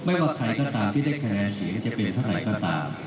ว่าใครก็ตามที่ได้คะแนนเสียงจะเป็นเท่าไหร่ก็ตาม